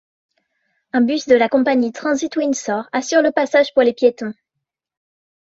Un bus de la compagnie Transit Windsor assure le passage pour les piétons.